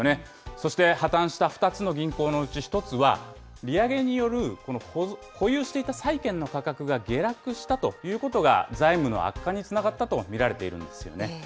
そして、破綻した２つの銀行のうち１つは、利上げによる保有していた債券の価格が下落したということが、財務の悪化につながったと見られているんですね。